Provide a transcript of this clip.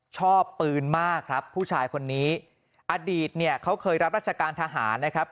ชอบปืนมากครับผู้ชายคนนี้อดีตเนี่ยเขาเคยรับราชการทหารนะครับ